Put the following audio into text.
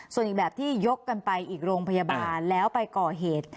ส่วนอีกแบบที่ยกกันไปอีกโรงพยาบาลแล้วไปก่อเหตุ